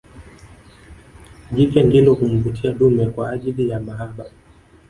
Jike ndilo humvutia dume kwaajili ya mahaba